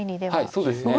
そうですね。